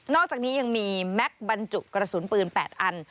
อกจากนี้ยังมีแม็กซ์บรรจุกระสุนปืน๘อัน